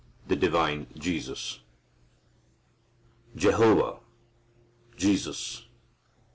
The Divine Jesus Jehovah Jesus.